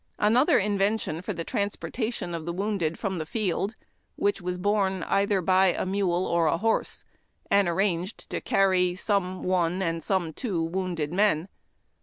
Another invention for the transportation of the wounded from the field was the Cacolet or Mule Litter., which was borne either by a mule or a horse, and arranged to carry, some one and some two, wounded men.